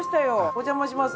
お邪魔します。